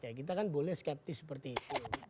ya kita kan boleh skeptis seperti itu